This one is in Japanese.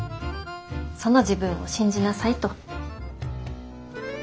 その自分を信じなさいと。